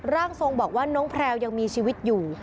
ร่างทรงบอกว่าน้องแพลวยังมีชีวิตอยู่